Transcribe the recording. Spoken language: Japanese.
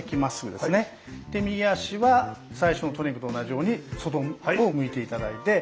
で右足は最初のトレーニングと同じように外を向いて頂いて。